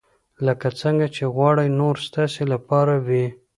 لکه څنګه چې غواړئ نور ستاسې لپاره وي.